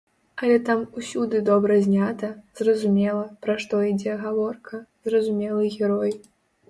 Але там усюды добра знята, зразумела, пра што ідзе гаворка, зразумелы герой.